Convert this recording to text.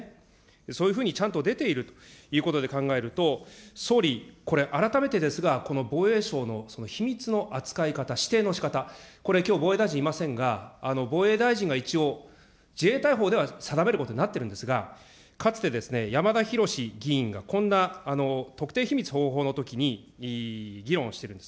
そういうふうにちゃんと出ているということで考えると、総理、これ改めてですが、この防衛省の秘密の扱い方、指定のしかた、これきょう、防衛大臣いませんが、防衛大臣が一応、自衛隊法では定めることになっているんですが、かつてやまだひろし議員がこんな特定秘密保護法のときに議論をしているんです。